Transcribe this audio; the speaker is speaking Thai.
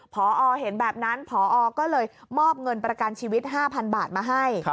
พอเห็นแบบนั้นพอก็เลยมอบเงินประกันชีวิต๕๐๐๐บาทมาให้